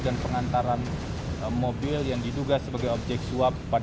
dan pengantaran mobil yang diduga sebagai objek suap pada tersangka fd